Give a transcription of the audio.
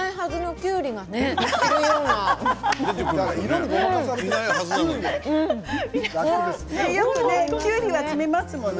きゅうりはちくわに詰めますものね。